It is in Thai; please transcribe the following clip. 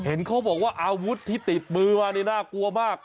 เห็นเขาบอกว่าอาวุธที่ติดมือมานี่น่ากลัวมาก